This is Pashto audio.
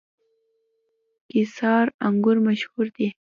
قیصار انګور مشهور دي؟